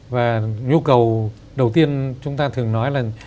và nhu cầu đầu tiên chúng ta thường nói là